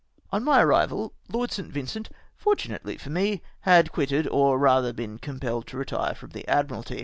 On my arrival, Lord St. Vincent, fortunately for me, had quitted, or rather had been compelled to retire from the Admiralty.